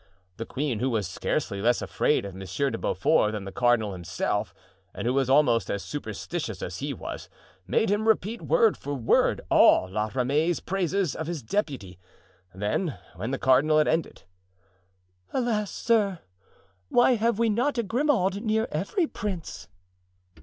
The queen, who was scarcely less afraid of Monsieur de Beaufort than the cardinal himself, and who was almost as superstitious as he was, made him repeat word for word all La Ramee's praises of his deputy. Then, when the cardinal had ended: "Alas, sir! why have we not a Grimaud near every prince?"